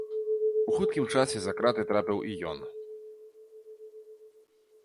У хуткім часе за краты трапіў і ён.